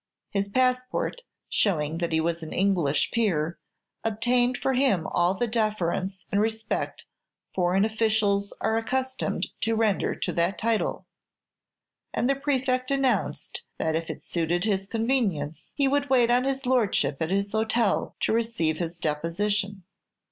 His passport, showing that he was an English peer, obtained for him all the deference and respect foreign officials are accustomed to render to that title, and the Prefect announced that if it suited his convenience, he would wait on his Lordship at his hotel to receive his deposition.